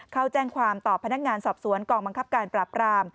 เข้าแจ้งความต่อพนักงานสอบสวนกองบังคับการปราบราม